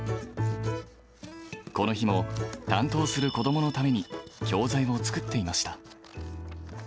この日も担当する子どものために、教材を作っていました。